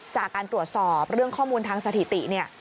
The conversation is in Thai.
จากการตรวจสอบเรื่องข้อมูลทางสถิติเนี่ย